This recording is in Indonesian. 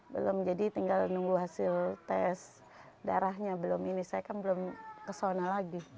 belum jadi tinggal nunggu hasil tes darahnya belum ini saya kan belum kesana lagi